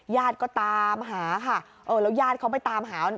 ญาติก็ตามหาค่ะเออแล้วญาติเขาไปตามหา